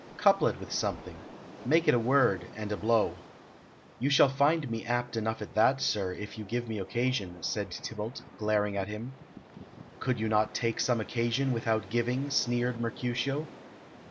"Couple it with something: make it a word and a blow." "You shall find me apt enough at that, sir, if you give me occasion," said Tybalt, glaring at him. "Could you not take some occasion without giving?" sneered Mercutio.